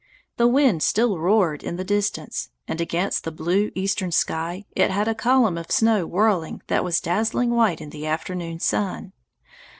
The wind still roared in the distance, and against the blue eastern sky it had a column of snow whirling that was dazzling white in the afternoon sun.